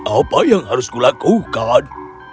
apa yang harus kulakukan